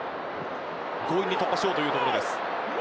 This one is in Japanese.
強引に突破しようというところ。